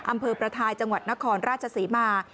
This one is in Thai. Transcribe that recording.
อำเภอประทายจังหวัดนครราชศรีมา